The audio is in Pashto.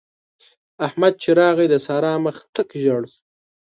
احمد چې راغی؛ د سارا مخ تک ژړ شو.